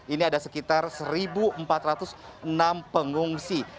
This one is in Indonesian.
ini ada sekitar satu empat ratus enam pengungsi